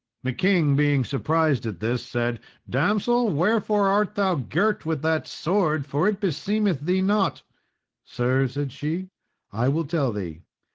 The king being surprised at this, said, "Damsel, wherefore art thou girt with that sword, for it beseemeth thee not?" "Sir," said she, "I will tell thee.